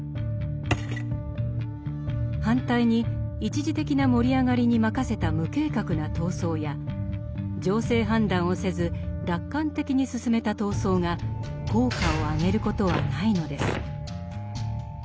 反対に一時的な盛り上がりに任せた無計画な闘争や情勢判断をせず楽観的に進めた闘争が効果を上げることはないのです。